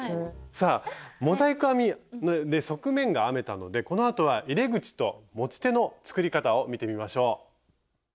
さあモザイク編みで側面が編めたのでこのあとは入れ口と持ち手の作り方を見てみましょう。